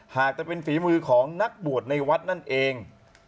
หากจะเป็นฝีมือของนักบวชในวัดนั่นเอง